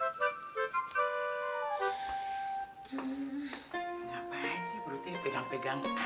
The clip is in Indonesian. ngapain sih perutnya pegang pegang